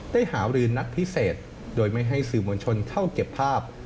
หารือนัดพิเศษโดยไม่ให้สื่อมวลชนเข้าเก็บภาพ